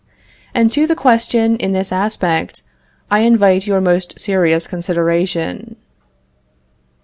And to the question in this aspect I invite your most serious consideration.